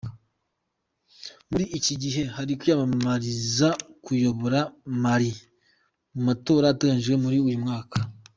Muri iki gihe ari kwiyamamariza kuyobora Mali mu matora ateganyijwe muri uyu mwaka.